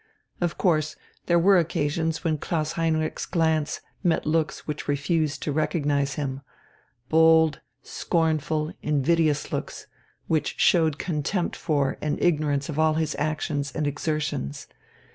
Of course there were occasions when Klaus Heinrich's glance met looks which refused to recognize him bold, scornful, invidious looks, which showed contempt for and ignorance of all his actions and exertions.